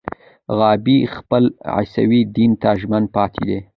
غابي خپل عیسوي دین ته ژمن پاتې دی.